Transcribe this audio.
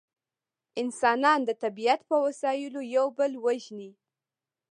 انسانان د طبیعت په وسایلو یو بل وژني